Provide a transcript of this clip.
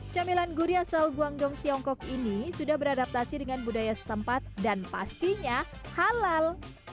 camilan guri asal guangdong tiongkok ini sudah beradaptasi dengan budaya setempat dan pastinya halal